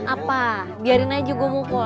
apa biarin aja gue mukul